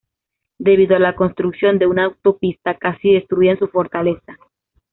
Debido a la construcción de una autopista casi destruyen su fortaleza.